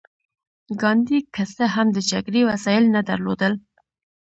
ګاندي که څه هم د جګړې وسايل نه درلودل.